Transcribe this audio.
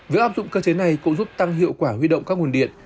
việc áp dụng cơ chế này cũng giúp tăng hiệu quả huy động các nguồn điện